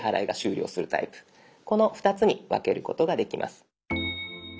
この２つに分けることができます。